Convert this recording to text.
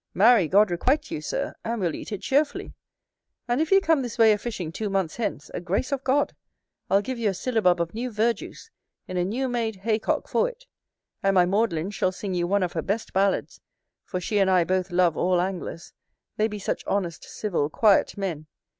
Marry! God requite you, Sir, and we'll eat it cheerfully. And if you come this way a fishing two months hence, a grace of God! I'll give you a syllabub of new verjuice, in a new made hay cock, for it. And my Maudlin shall sing you one of her best ballads; for she and I both love all anglers, they be such honest, civil, quiet men.